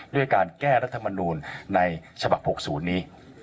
ด้วยการแก้รัฐมนูลในฉบับ๖๐นี้